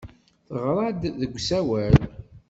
Teɣra-d deg usawal.